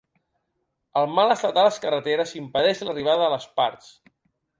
El mal estat de les carreteres impedeix l’arribada de les parts.